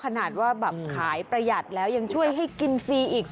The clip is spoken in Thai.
ขนาดว่าแบบขายประหยัดแล้วยังช่วยให้กินฟรีอีก